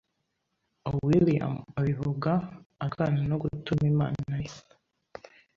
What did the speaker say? William abivuga "arwana no gutuma Imana ye